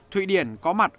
thụy điển có mặt